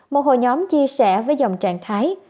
một hồ nhóm chia sẻ với dòng trạng thái